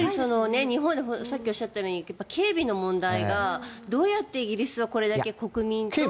さっきおっしゃったように警備の問題がどうやってイギリスはこれだけ国民と王室が近い。